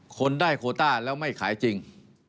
คนได้โคต้าแล้วไม่ขายจริง